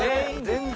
全然。